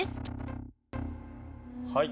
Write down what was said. はい。